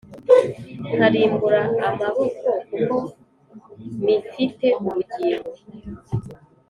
Nkarimbura amaboko kuko mifite ubugingo